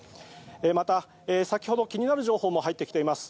また、先ほど気になる情報も入ってきています。